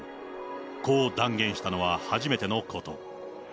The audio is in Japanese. こう断言したのは初めてのこと。